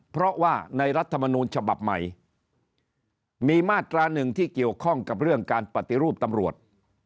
เพราะว่าในรัฐมนูลฉบับใหม่มีมาตราหนึ่งที่เกี่ยวข้องกับเรื่องการปฏิรูปตำรวจ